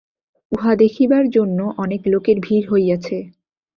উহা দেখিবার জন্য অনেক লোকের ভিড় হইয়াছে।